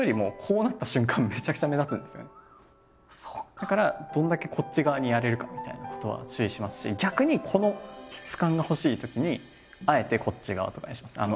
だからどれだけこっち側にやれるかみたいなことは注意しますし逆にこの質感が欲しいときにあえてこっち側とかにします。